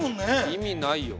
意味ないよ。